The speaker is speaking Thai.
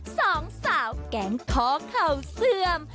สองสาวแก๊งคอเข่าเสื่อม